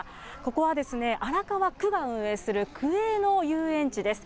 ここは荒川区が運営する区営の遊園地です。